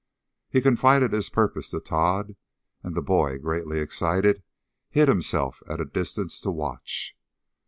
He confided his purpose to Tod, and the boy, greatly excited, hid himself at a distance to watch.